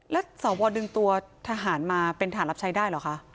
แล้วสวดึงตัวทหารมาเป็นฐานรับใช้ได้เหรอคะ